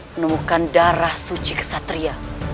menemukan darah suci kesatria